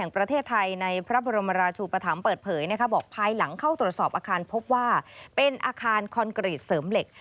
ประเทศไทยในพระบรมราชูปธรรมเปิดเผยบอกภายหลังเข้าตรวจสอบอาคารพบว่าเป็นอาคารคอนกรีตเสริมเหล็ก